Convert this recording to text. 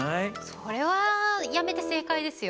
それは辞めて正解ですよ。